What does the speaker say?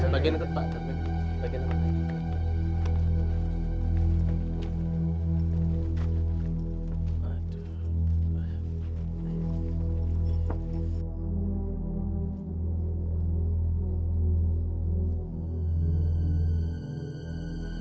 bagian itu pak